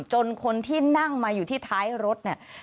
จนคนที่นั่งมาอยู่ที่ท้ายรถ